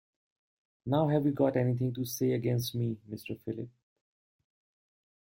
Now have you got anything to say against me, Mr Philip.